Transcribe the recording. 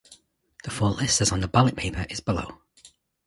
The full list as on the ballot paper is below.